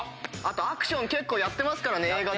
あとアクション結構やってますからね。